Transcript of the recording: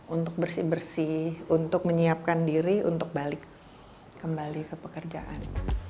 untuk bersih bersih untuk menyiapkan diri untuk balik kembali ke pekerjaan